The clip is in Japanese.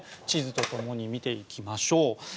地図とともに見ていきましょう。